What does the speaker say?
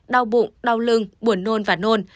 đau bụng đau lưng buồn nôn và nôn